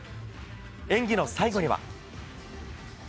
演技の最後には。